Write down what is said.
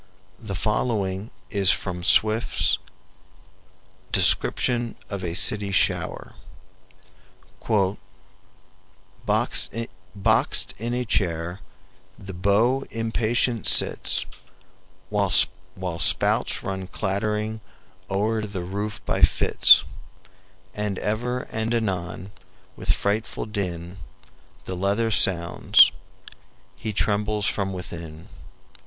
The following is from Swift's "Description of a City Shower": "Boxed in a chair the beau impatient sits, While spouts run clattering o'er the roof by fits, And ever and anon with frightful din The leather sounds; he trembles from within.